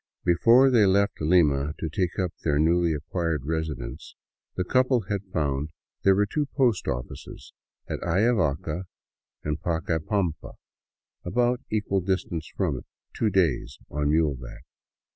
Before they left Lima to take up their newly acquired residence, the couple had found there were two post offices, at Ayavaca and Pacai pampa, about equal distance from it, — two days on muleback.